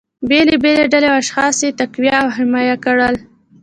بیلابیلې ډلې او اشخاص یې تقویه او حمایه کړل